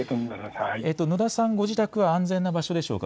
野田さん、ご自宅は安全な場所でしょうか。